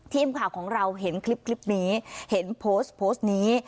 ทีมข่าวของเราเห็นคลิปนี้เห็นโพสต์โพสต์นี้